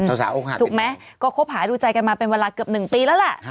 ชาวสาวโอ้งหาดถูกไหมก็คบหาให้ดูใจกันมาเป็นเวลาเกือบ๑ปีแล้วล่ะ